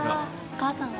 お母さん。